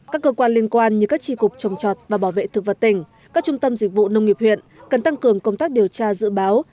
các cơ quan liên quan như các tri cục trồng trọt và bảo vệ thực vật tỉnh các trung tâm dịch vụ nông nghiệp huyện cần tăng cường công tác điều tra dự báo